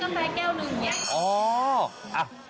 ต้องบอกแป๊เอ๊ยกาแฟแก้วหนึ่งอย่างนี้